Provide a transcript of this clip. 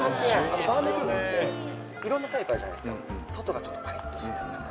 バームクーヘンっていろんなタイプあるじゃないですか、外がちょっとかりっとしてるやつとか。